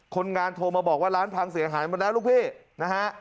คนงานโทรมาบอกว่าร้านพังเสียหายหมดแล้วลูกพี่นะฮะ